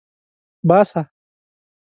باسه